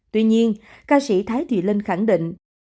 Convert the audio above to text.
tuy nhiên ca sĩ thái thùy linh khẳng định